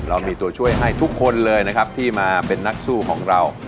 เรามีตัวช่วยให้ทุกคนเลยนะครับที่มาเป็นนักสู้ของเรา